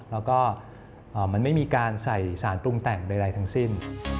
แล้วก็มันไม่มีการใส่สารปรุงแต่งใดทั้งสิ้น